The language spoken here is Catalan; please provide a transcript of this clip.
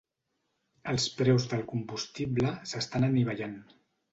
Els preus del combustible s'estan anivellant.